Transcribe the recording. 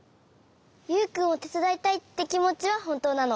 ユウくんをてつだいたいってきもちはほんとうなの。